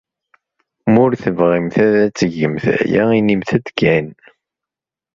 Ma ur tebɣimt ara ad tgemt aya, inimt-t-id kan.